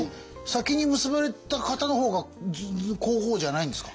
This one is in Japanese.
先に結ばれた方の方が皇后じゃないんですか？